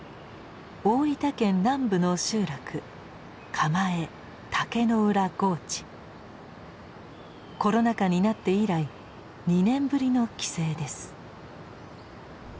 大分県南部の集落コロナ禍になって以来２年ぶりの帰省です。